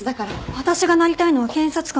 私がなりたいのは検察官です。